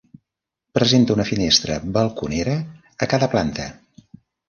Presenta una finestra balconera a cada planta.